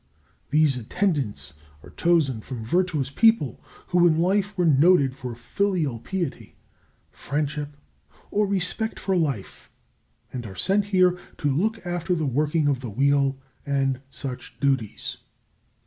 These attendants are chosen from virtuous people who in life were noted for filial piety, friendship, or respect for life, and are sent here to look after the working of the Wheel and such duties.